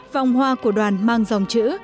vòng hoa của đoàn mang dòng chữ